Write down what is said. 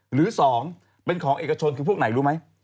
หรือ๒เป็นของเอกชนคือพวกไหนรู้ไหม